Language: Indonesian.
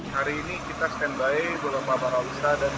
hari ini kita standby berupa balawista dan dfc